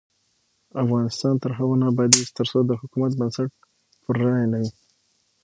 افغانستان تر هغو نه ابادیږي، ترڅو د حکومت بنسټ پر رایه نه وي.